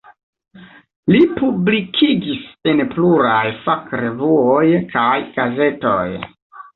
Li publikigis en pluraj fakrevuoj kaj gazetoj.